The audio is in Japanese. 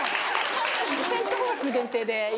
セント・フォース限定で今。